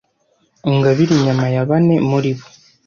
Ungabire inyama ya bane muri bo!